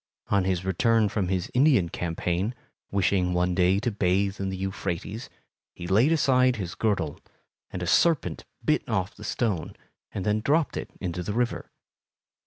On his return from his Indian campaign, wishing one day to bathe in the Euphrates, he laid aside his girdle, and a serpent bit off the stone and then dropped it into the river.